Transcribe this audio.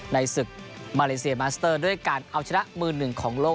ในศึกมาเลเซียมาสเตอร์ด้วยการเอาชนะมือหนึ่งของโลก